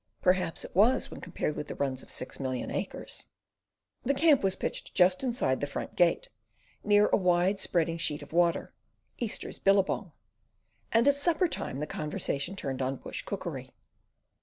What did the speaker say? Perhaps it was when compared with runs of six million acres. The camp was pitched just inside the "front gate," near a wide spreading sheet of water, "Easter's Billabong," and at supper time the conversation turned on bush cookery.